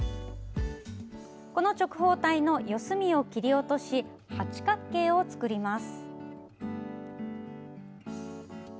この直方体の四隅を切り落とし八角形を作ります。